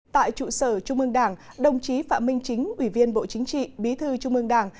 tại trụ sở trung ương đảng đồng chí phạm minh chính ủy viên bộ chính trị bí thư trung ương đảng